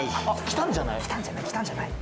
来たんじゃない？